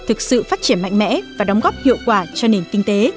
thực sự phát triển mạnh mẽ và đóng góp hiệu quả cho nền kinh tế